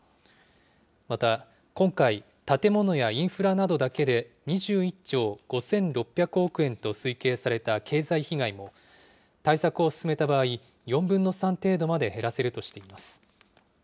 また、今回、建物やインフラなどだけで２１兆５６００億円と推計された経済被害も、対策を進めた場合、４分の３程度まで減らせるとしています。